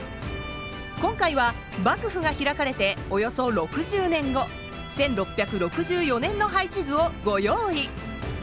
今回は幕府が開かれておよそ６０年後１６６４年の配置図をご用意。